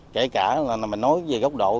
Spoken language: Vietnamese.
kể cả là mình nói về góc độ